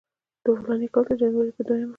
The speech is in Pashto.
د فلاني کال د جنورۍ پر دویمه.